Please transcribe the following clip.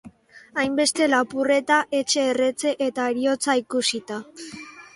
Hainbeste lapurreta, etxe erretze eta heriotza ikusita.